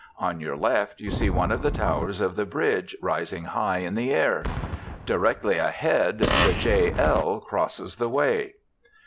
On your left you see one of the towers of the Bridge rising high in the air. Directly ahead the "JL" crosses the way!